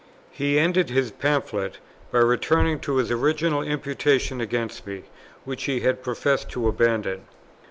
He ended his Pamphlet by returning to his original imputation against me, which he had professed to abandon.